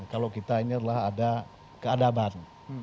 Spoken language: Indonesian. kalau kita ini adalah ada keadaban